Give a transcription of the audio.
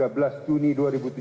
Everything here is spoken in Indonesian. presiden republik indonesia